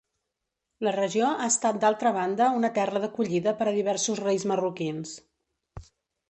La regió ha estat d'altra banda una terra d'acollida per a diversos reis marroquins.